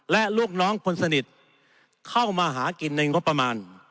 และลูกน้องคนสนิทเข้ามาหากินในงบประมาณ